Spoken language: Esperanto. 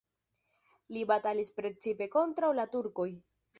Li batalis precipe kontraŭ la turkoj.